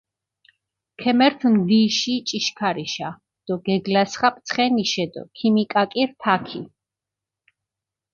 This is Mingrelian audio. ქემერთჷ ნდიიში ჭიშქარიშა დო გეგლასხაპჷ ცხენიშე დო ქიმიკაკირჷ თაქი.